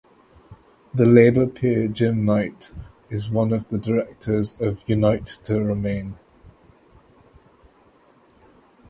The Labour peer Jim Knight is one of the directors of Unite to Remain.